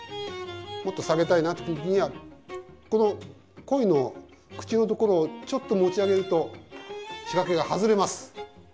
もっと下げたいなって時にはこの鯉の口のところをちょっと持ち上げると仕掛けが外れます。